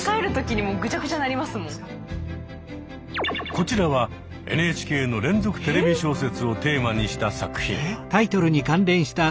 こちらはＮＨＫの「連続テレビ小説」をテーマにした作品。